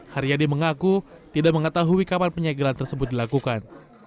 haryadi mengaku tidak mengetahui kapan penyegelan tersebut dilakukan